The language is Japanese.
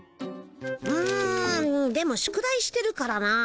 うんでも宿題してるからなあ。